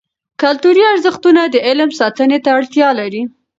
کلتوري ارزښتونه د علم ساتنې ته اړتیا لري.